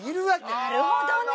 なるほどね。